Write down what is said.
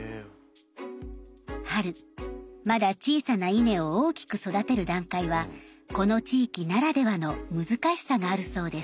春まだ小さな稲を大きく育てる段階はこの地域ならではの難しさがあるそうです。